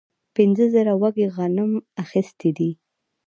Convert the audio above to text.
پنځه زره وږي غنم اخیستي دي.